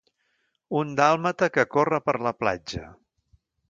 Un dàlmata que corre per la platja